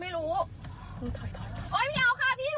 นี่โทษสคมหมด